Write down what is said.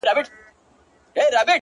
سوله كوم خو زما دوه شرطه به حتمآ منې ـ